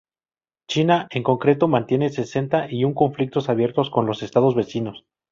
China, en concreto, mantiene sesenta y un conflictos abiertos con los estados vecinos.